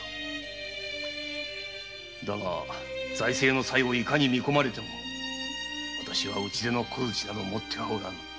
だが財政の才をいかに見込まれてもわたしは打出の小槌など持ってはおらぬ。